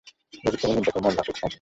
গভীরতম নিদ্রাতেও মন লাফাইতে থাকে।